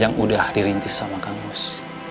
yang udah dirintis sama kang mus